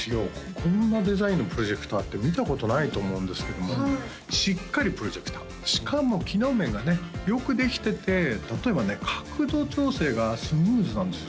こんなデザインのプロジェクターって見たことないと思うんですけどもしっかりプロジェクターしかも機能面がねよくできてて例えばね角度調整がスムーズなんですよ